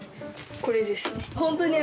これですね。